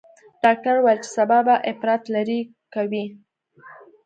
ډاکتر وويل چې سبا به اپرات لرې کوي.